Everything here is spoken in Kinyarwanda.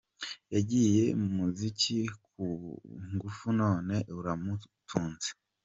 Yagiye mu muziki ku ngufu none uramutunze.